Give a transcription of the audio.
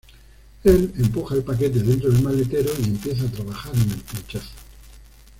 Él empuja el paquete dentro del maletero, y empieza a trabajar en el pinchazo.